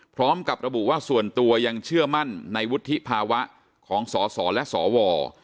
พร้อมกับระบุว่าส่วนตัวยังเชื่อมั่นในวุฒิภาวะของสสและสว